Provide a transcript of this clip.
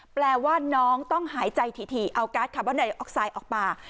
แปลว่าน้องต้องหายใจถี่เอาการ์ดคาร์บอนไดออกไซด์ออกมา